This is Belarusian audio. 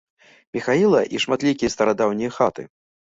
Міхаіла і шматлікія старадаўнія хаты.